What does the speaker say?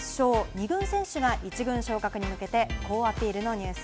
２軍選手が１軍昇格に向けて好アピールのニュース。